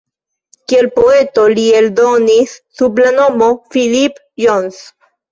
Kiel poeto li eldonis sub la nomo "Philippe Jones".